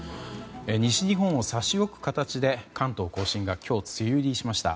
西日本を差し置く形で関東・甲信が今日、梅雨入りしました。